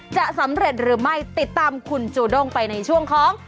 จะสำเร็จหรือไม่ติดตามคุณจูด้งไปในช่วงของ